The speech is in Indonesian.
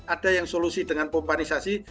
ada yang solusi dengan pomparisasi